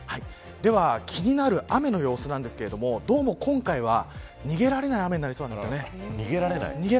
気になる雨の様子ですが今回は逃げられない雨になりそうです。